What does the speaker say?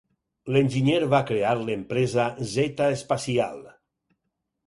L'enginyer va crear l'empresa Zeta Espacial.